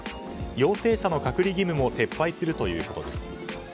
陽性者の隔離義務も撤廃するということです。